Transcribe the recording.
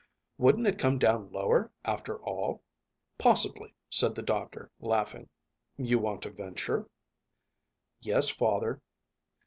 Wouldn't it come down lower, after all?" "Possibly," said the doctor, laughing. "You want to venture?" "Yes, father."